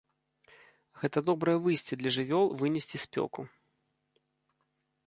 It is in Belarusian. Гэта добрае выйсце для жывёл вынесці спёку.